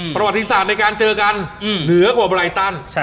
ประวัติศาสตร์ในการเจอกันเหนือกว่าไรตัน